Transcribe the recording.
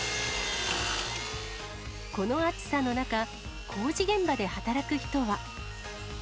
この暑さの中、工事現場で働く人は。